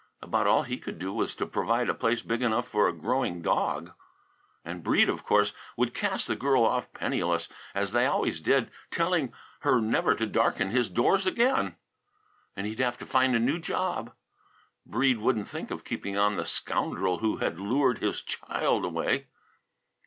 About all he could do was to provide a place big enough for a growing dog. And Breede, of course, would cast the girl off penniless, as they always did, telling her never to darken his doors again. And he'd have to find a new job. Breede wouldn't think of keeping on the scoundrel who had lured his child away.